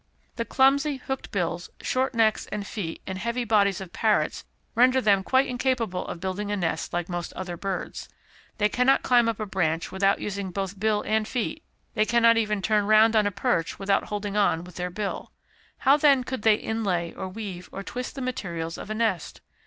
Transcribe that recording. The clumsy hooked bills, short necks and feet, and heavy bodies of Parrots, render them quite incapable of building a nest like most other birds. They cannot climb up a branch without using both bill and feet; they cannot even turn round on a perch without holding on with their bill. How, then, could they inlay, or weave, or twist the materials of a nest?